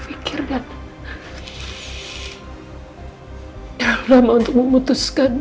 tapi pada waktu itu